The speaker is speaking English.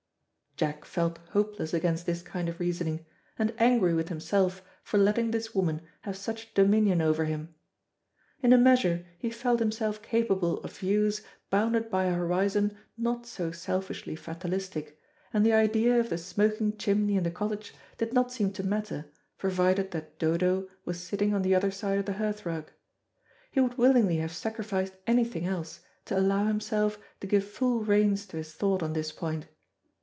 Jack felt hopeless against this kind of reasoning, and angry with himself for letting this woman have such dominion over him. In a measure he felt himself capable of views bounded by a horizon not so selfishly fatalistic, and the idea of the smoking chimney in the cottage did not seem to matter, provided that Dodo was sitting on the other side of the hearthrug. He would willingly have sacrificed anything else, to allow himself to give full reins to his thought on this point.